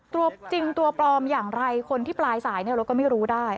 ตัวจริงตัวปลอมอย่างไรคนที่ปลายสายเนี่ยเราก็ไม่รู้ได้